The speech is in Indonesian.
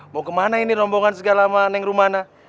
mau kemana ini rombongan segala sama neng rumana